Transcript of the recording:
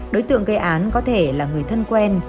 đối tượng gây án có thể là người thân quen